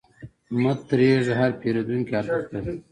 مه تریږه، هر پیرودونکی ارزښت لري.